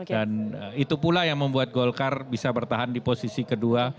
dan itu pula yang membuat golkar bisa bertahan di posisi kedua